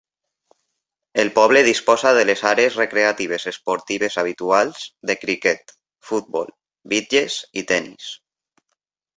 El poble disposa de les àrees recreatives esportives habituals de criquet, futbol, bitlles i tennis.